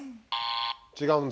違うんだ。